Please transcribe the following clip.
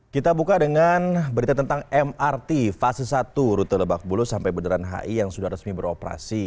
kita buka dengan berita tentang mrt fase satu rute lebak bulus sampai beneran hi yang sudah resmi beroperasi